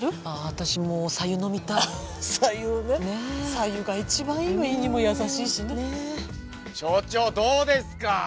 私もう白湯飲みたい白湯をね白湯が一番いいの胃にも優しいしね所長どうですか？